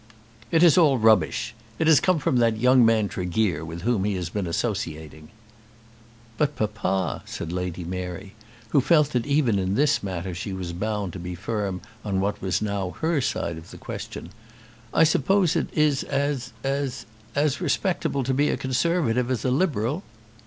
"It is all rubbish. It has come from that young man Tregear, with whom he has been associating." "But, papa," said Lady Mary, who felt that even in this matter she was bound to be firm on what was now her side of the question, "I suppose it is as as as respectable to be a Conservative as a Liberal."